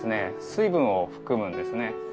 水分を含むんですね。